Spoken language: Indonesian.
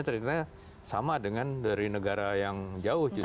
ternyata sama dengan dari negara yang jauh justru